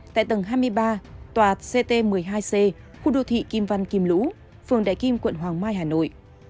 tại tầng hai mươi ba tòa ct một mươi hai c khu đô thị kim văn kim lũ phường đại kim quận hoàng mai hà nội